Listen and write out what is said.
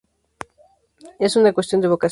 Es una cuestión de vocación".